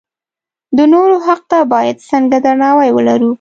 د نورو حق ته باید څنګه درناوی ولرو.